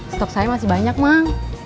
stok saya masih banyak bang